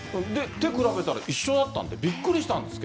今日比べたら一緒だったのでびっくりしたんです。